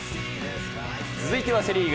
続いてはセ・リーグ。